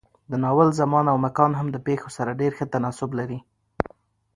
د ناول زمان او مکان هم د پېښو سره ډېر ښه تناسب لري.